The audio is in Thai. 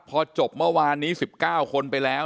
พอจบเมื่อวานนี้๑๙คนไปแล้ว